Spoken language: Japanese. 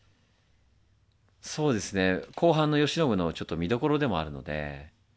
そうですね後半の慶喜のちょっと見どころでもあるので。